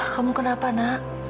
kamu kenapa nak